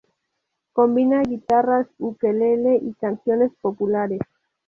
Combina guitarras, ukelele, y canciones populares.